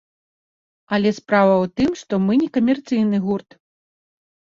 Але справа ў тым, што мы не камерцыйны гурт.